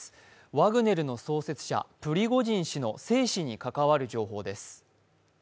ワグネルの創設者・プリゴジン氏の生死に関わる情報です。